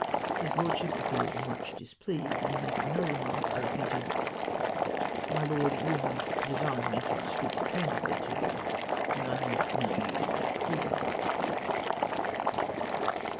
His lordship appeared much displeased ; and making no remark, I repeated, " My Lord, you have before de sired me to ' speak candidly to you,' and I have now used that freedom."